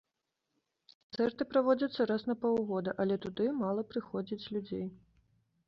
Канцэрты праводзяцца раз на паўгода, але туды мала прыходзіць людзей.